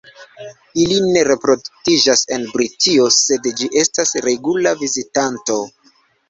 Ili ne reproduktiĝas en Britio, sed ĝi estas regula vizitanto.